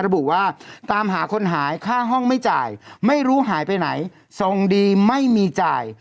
ระบุว่าตามหาคนหายค่าห้องไม่จ่ายไม่รู้หายไปไหนทรงดีไม่มีจ่าย